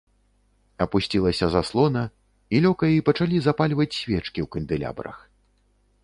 Апусцілася заслона, і лёкаі пачалі запальваць свечкі ў кандэлябрах.